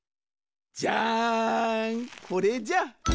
じゃんこれじゃ。